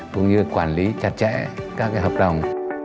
cũng như quản lý chặt chẽ các hợp đồng